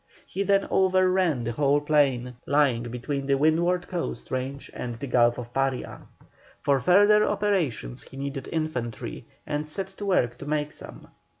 He then overran the whole plain lying between the windward coast range and the Gulf of Paria. For further operations he needed infantry, and set to work to make some.